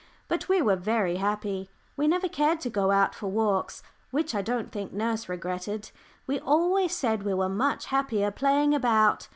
But we were very happy; we never cared to go out for walks, which I don't think nurse regretted; we always said we were much happier playing about.